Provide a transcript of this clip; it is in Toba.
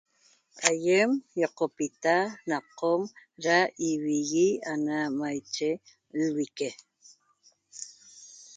Ayem yoqopita na qom na ivigui ana maiche lvique